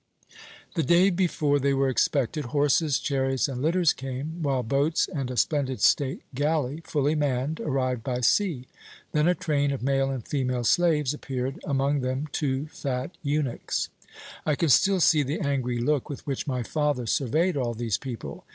"The day before they were expected horses, chariots, and litters came, while boats and a splendid state galley, fully manned, arrived by sea. Then a train of male and female slaves appeared, among them two fat eunuchs. "I can still see the angry look with which my father surveyed all these people.